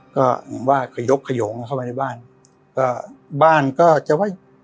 ก็อย่างงี้ว่ากระยกระโยงเข้ามาในบ้านก็บ้านก็จะไว้